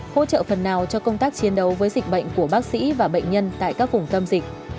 hỗ trợ phần nào cho công tác chiến đấu với dịch bệnh của bác sĩ và bệnh nhân tại các vùng tâm dịch